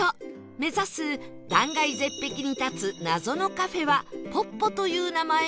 目指す断崖絶壁に立つ謎のカフェはぽっぽという名前みたい